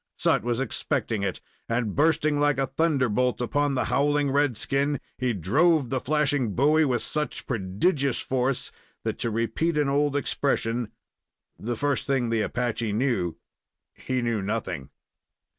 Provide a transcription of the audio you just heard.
Sut was expecting it, and, bursting like a thunderbolt upon the howling red skin, he drove the flashing bowie with such prodigious force that, to repeat an old expression, the first thing the Apache knew, he knew nothing.